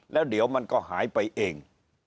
แล้วเดี๋ยวมันก็หายไปเอง